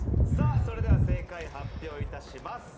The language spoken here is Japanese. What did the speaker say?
それでは正解発表致します。